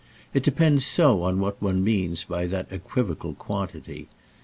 It depends so on what one means by that equivocal quantity.